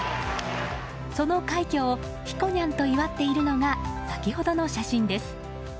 その快挙をひこにゃんと祝っているのが先ほどの写真です。